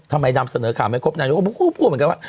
นำเสนอข่าวไม่ครบนายกพูดเหมือนกันว่า